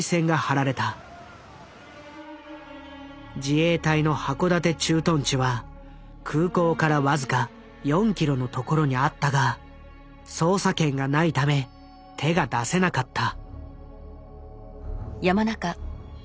自衛隊の函館駐屯地は空港から僅か４キロのところにあったが捜査権がないため手が出せなかった。